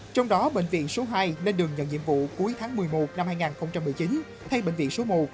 trong đó bệnh viện số hai lên đường nhận nhiệm vụ cuối tháng một mươi một năm hai nghìn một mươi chín thay bệnh viện số một